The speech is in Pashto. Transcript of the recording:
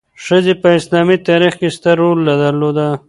ښځې په اسلامي تاریخ کې ستر رول درلود.